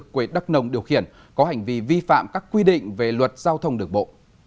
quê đắc nông điều khiển có hành vi vi phạm các quy định về luật giao thông được bộ